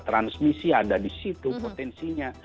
transmisi ada di situ potensinya